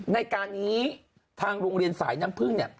ในการนี้ทางโรงเรียนสายน้ำพึ่งเนี่ย